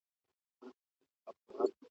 زه به سبا د کتابتوننۍ سره خبري وکړم؟!